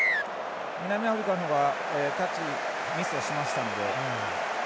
南アフリカの方がキャッチミスをしましたので。